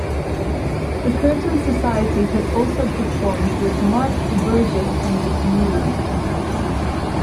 The Curtain Society has also performed with Mark Burgess from The Chameleons.